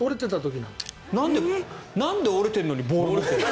なんで折れてるのにボール持ってるの？